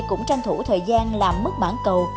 cũng tranh thủ thời gian làm mức mảng cầu